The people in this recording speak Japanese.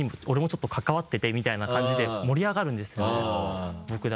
俺もちょっと関わっててみたいな感じで盛り上がるんですよね。